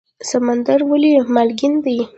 سمندر ولې مالګین دی؟